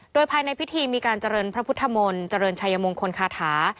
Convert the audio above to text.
โดยภายในพิธีมีการเจริญพระพุทธมนต์เจริญชัยมงคลคาถา